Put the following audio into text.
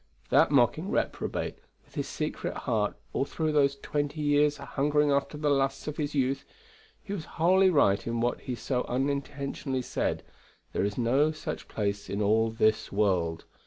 That mocking reprobate, with his secret heart all through those twenty years hungering after the lusts of his youth, he was wholly right in what he so unintentionally said; there is no such place in all this world.